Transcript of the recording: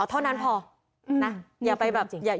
เท่านั้นเพราะจะอย่างนั้นน่ะ